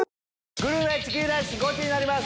グルメチキンレースゴチになります！